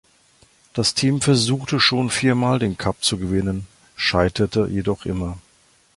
Das Team versuchte schon vier Mal den Cup zu gewinnen, scheiterte jedoch immer.